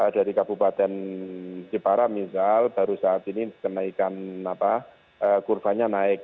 dari kabupaten jepara misal baru saat ini kenaikan kurvanya naik